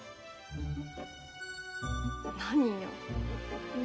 何よ。